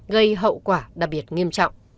gây hậu quả đặc biệt nghiêm trọng